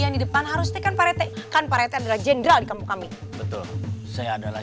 di depan harus dikenal kan para tenaga general kami betul saya adalah